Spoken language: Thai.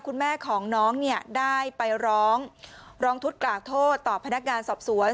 คุณแม่ของน้องเนี่ยได้ไปร้องร้องทุกข์กล่าวโทษต่อพนักงานสอบสวน